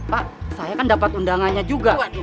pak saya kan dapat undangannya juga